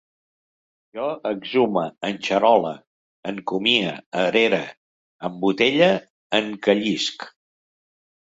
Jo exhume, enxarole, encomie, erere, embotelle, encallisc